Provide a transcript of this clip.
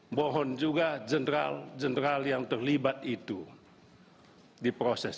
mohon juga jenderal jenderal yang terlibat itu di proses